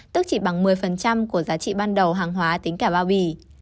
tức chỉ bằng một mươi của giá trị ban đầu hàng hóa tính cả bao bì